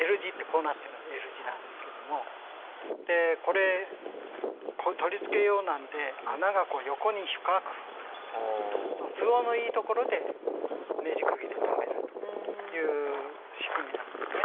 これ取り付け用なんで穴が横に深くほってあって都合のいいところでネジくぎで留めるという仕組みなんですね。